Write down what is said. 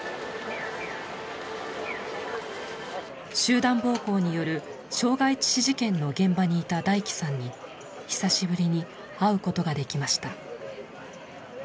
集団暴行による傷害致死事件の現場にいたダイキさんに久しぶりに会うことができました。